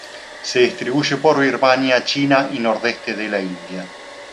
Se distribuye por Birmania, China y nordeste de la India.